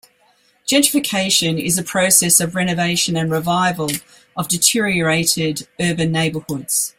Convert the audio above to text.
Gentrification is a process of renovation and revival of deteriorated urban neighborhoods.